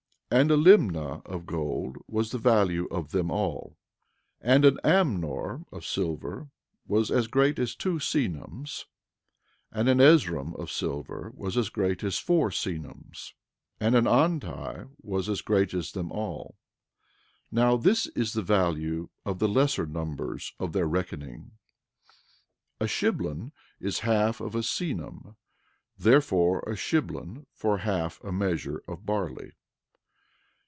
11:10 And a limnah of gold was the value of them all. 11:11 And an amnor of silver was as great as two senums. 11:12 And an ezrom of silver was as great as four senums. 11:13 And an onti was as great as them all. 11:14 Now this is the value of the lesser numbers of their reckoning— 11:15 A shiblon is half of a senum; therefore, a shiblon for half a measure of barley.